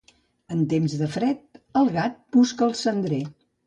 En temps de fred el gat busca el cendrer.